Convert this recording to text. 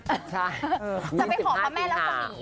จะไปขอพระแม่รักสมีย